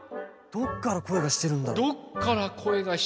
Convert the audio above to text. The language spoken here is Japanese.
・どっからこえがしているんだろう？